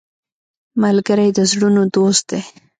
ملګری د زړونو دوست دی